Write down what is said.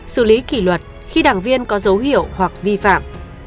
xử lý kỷ luật khi đảng viên có dấu hiệu hoặc vi phạm